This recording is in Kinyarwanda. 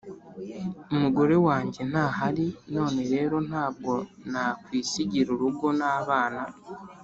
«umugore wanjye ntahari none rero ntabwo nakwisigira urugo n'abana.